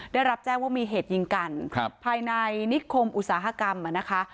ได้รับแจ้งว่ามีเหตุยิงกันภายในนิคมอุตสาหกรรมนะคะ